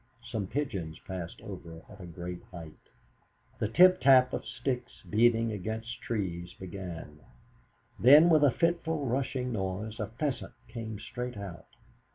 Some pigeons passed over at a great height. The tap tap of sticks beating against trees began; then with a fitful rushing noise a pheasant came straight out.